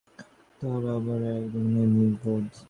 তারপর একদল লোক আছেন, তাঁহারা আবার আর এক ধরনের নির্বোধ।